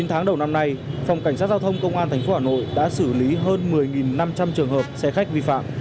chín tháng đầu năm nay phòng cảnh sát giao thông công an tp hà nội đã xử lý hơn một mươi năm trăm linh trường hợp xe khách vi phạm